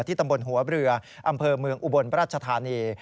ตำบลหัวเรืออำเภอเมืองอุบลราชธานี